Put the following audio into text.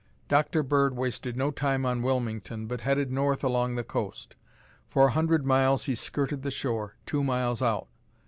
Dr. Bird wasted no time on Wilmington but headed north along the coast. For a hundred miles he skirted the shore, two miles out.